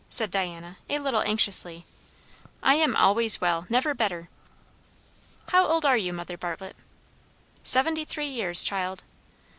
said Diana a little anxiously. "I am always well. Never better." "How old are you, Mother Bartlett?" "Seventy three years, child."